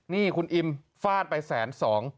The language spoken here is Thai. นี่คุณอิมฟาดไปแสนสอง